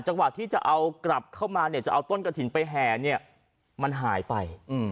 จังหวะที่จะเอากลับเข้ามาเนี่ยจะเอาต้นกระถิ่นไปแห่เนี่ยมันหายไป